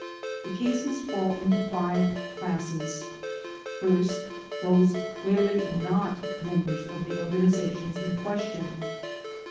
The cases fall into five classes : First: Those clearly not members of the organizations in question.